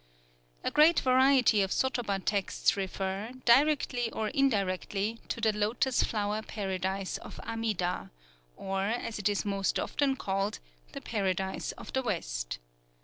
A great variety of sotoba texts refer, directly or indirectly, to the Lotos Flower Paradise of Amida, or, as it is more often called, the Paradise of the West.